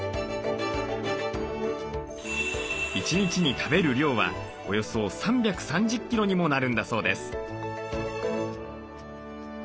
一日に食べる量はおよそ３３０キロにもなるんだそうです。